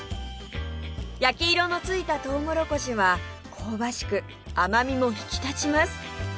焼き色のついたとうもろこしは香ばしく甘みも引き立ちます